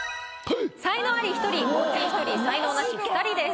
才能アリ１人凡人１人才能ナシ２人です。